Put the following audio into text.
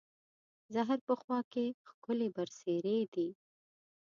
زهر په خوا کې، ښکلې برسېرې دي